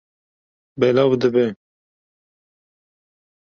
Belav dibe.